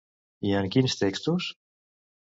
I en quins textos?